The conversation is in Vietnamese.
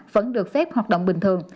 vẫn được phép hoạt động bình thường